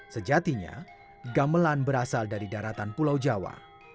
sejatinya gamelan berasal dari daratan pulau jawa